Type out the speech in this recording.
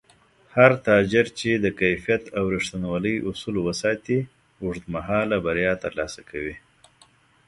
هر تاجر چې د کیفیت او رښتینولۍ اصول وساتي، اوږدمهاله بریا ترلاسه کوي